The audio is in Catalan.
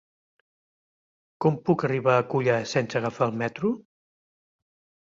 Com puc arribar a Culla sense agafar el metro?